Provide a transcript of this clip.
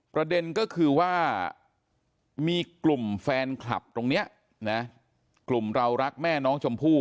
ประเด็นก็คือว่ามีกลุ่มแฟนคลับตรงนี้นะกลุ่มเรารักแม่น้องชมพู่